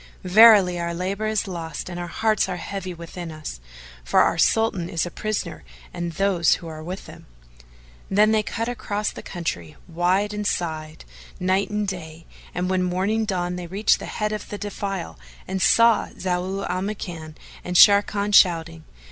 Verily our labour is lost and our hearts are heavy within us, for our Sultan is a prisoner and those who are with him." Then they cut across the country, wide and side, night and day, and when morning dawned they reached the head of the defile and saw Zau al Makan and Sharrkan shouting.